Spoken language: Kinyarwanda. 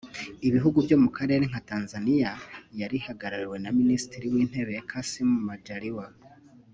Ibihugu byo mu karere nka Tanzania yari ihagarariwe na Minisitiri w’Intebe Kassim Majaliwa